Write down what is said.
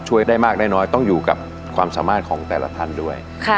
ได้มากได้น้อยต้องอยู่กับความสามารถของแต่ละท่านด้วย